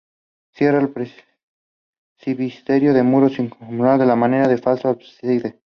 Cierra el presbiterio un muro semicircular a la manera de falso ábside.